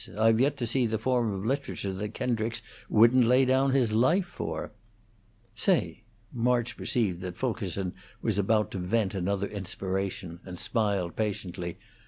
I've yet to see the form of literature that Kendricks wouldn't lay down his life for." "Say!" March perceived that Fulkerson was about to vent another inspiration, and smiled patiently.